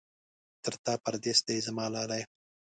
تر تا پردېس دی زما لالی.